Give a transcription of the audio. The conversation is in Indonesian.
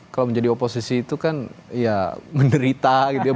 kalau menjadi oposisi itu kan ya menderita gitu ya